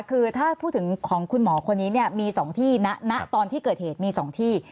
คือถ้าพูดถึงของคุณหมอคนนี้เนี่ยมี๒ที่ณตอนที่เกิดเหตุมี๒ที่